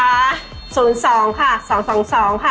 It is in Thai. วันนี้ขอบคุณมากทั้งคุณค่ะ